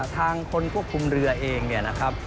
ทางคนควบคุมเรือเองนะครับ